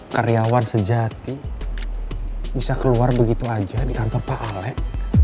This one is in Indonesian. karyawan sejati bisa keluar begitu aja di kantor pak ale